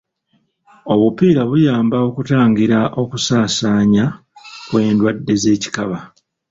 Obupiira buyamba okutangira okusaasaanya kw'endwadde z'ekikaba.